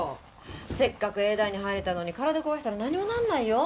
せっかく永大に入れたのに体を壊したら何にもならないよ